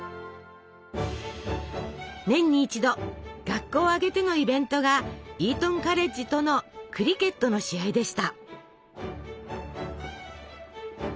年に一度学校を挙げてのイベントがイートンカレッジとのクリケットの試合でした！